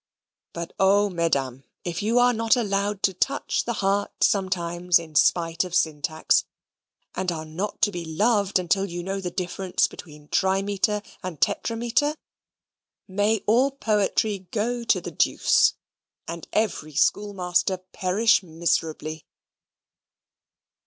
But oh, mesdames, if you are not allowed to touch the heart sometimes in spite of syntax, and are not to be loved until you all know the difference between trimeter and tetrameter, may all Poetry go to the deuce, and every schoolmaster perish miserably!